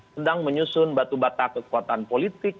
sedang menyusun batu bata kekuatan politik